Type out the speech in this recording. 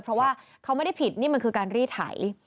เพราะว่าเขาไม่ได้ผิดนี่มันคือการรีดไถ